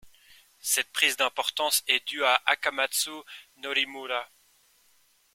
Cette prise d'importance est due à Akamatsu Norimura.